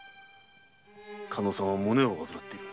加納さんは胸を患っている。